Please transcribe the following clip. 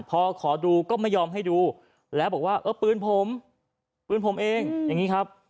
พอขอดูก็ไม่ยอมให้ดูแล้วบอกว่าเออปืนผมปืนผมเองอย่างนี้ครับ